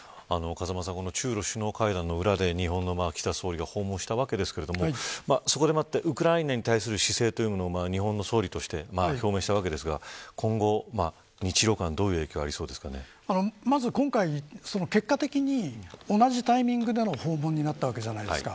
中ロ首脳会談の裏で岸田総理が訪問したわけですがウクライナに対する姿勢を日本の総理として表明したわけですが今後、日ロ間にどういう影響が今回、結果的に同じタイミングでの訪問になったわけじゃないですか。